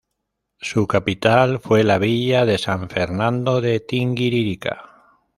Su capital fue la Villa de San Fernando de Tinguiririca.